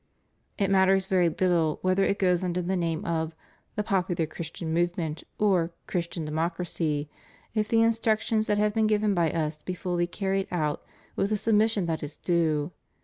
It matters very little whether it goes under the name of " The Popular Christian Move ment," or *' Christian Democracy," if the instructions that have been given by Us be fully carried out with the submission that is due.